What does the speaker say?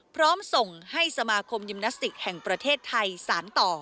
พร้อมส่งให้สมาคมยิมนาสติกแห่งประเทศไทยสารต่อ